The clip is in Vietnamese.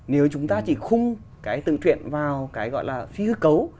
nếu chúng ta chỉ khung cái tự truyện vào cái gọi là phi cơ cấu